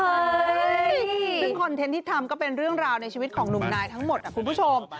ซึ่งคอนเทนต์ที่ทำก็เป็นเรื่องราวในชีวิตของหนุ่มนายทั้งหมดคุณผู้ชม